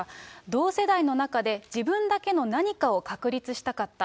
同世代の中で自分だけの何かを確立したかった。